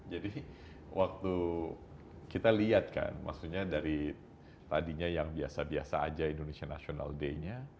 jadi waktu kita lihat kan maksudnya dari tadinya yang biasa biasa aja indonesia national day nya